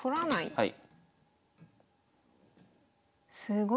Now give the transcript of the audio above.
はい。